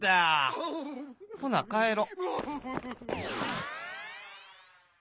ほな帰ろ」。